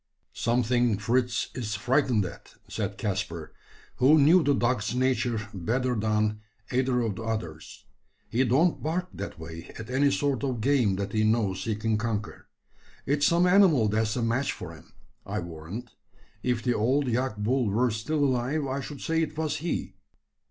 "Something Fritz is frightened at," said Caspar, who knew the dog's nature better than either of the others. "He don't bark that way at any sort of game that he knows he can conquer. It's some animal that's a match for him, I warrant. If the old yak bull were still alive, I should say it was he."